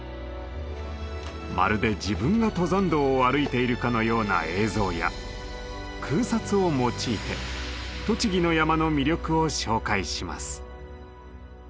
まるで自分が登山道を歩いているかのような映像や空撮を用いて栃木の山の魅力を紹介します。